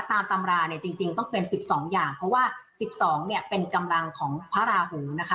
ตามตำราเนี่ยจริงต้องเป็น๑๒อย่างเพราะว่า๑๒เนี่ยเป็นกำลังของพระราหูนะคะ